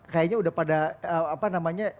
kayaknya udah pada apa namanya